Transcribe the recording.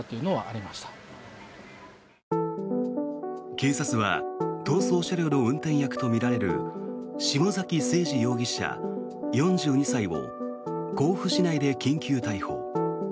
警察は逃走車両の運転役とみられる下崎星児容疑者、４２歳を甲府市内で緊急逮捕。